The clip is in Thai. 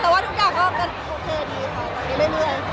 แต่ว่าทุกอย่างก็โอเคดีค่ะจะไม่เหนื่อย